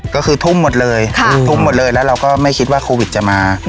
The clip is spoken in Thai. ก็คือทุ่มหมดเลยทุ่มหมดเลยแล้วเราก็ไม่คิดว่าโควิดจะมา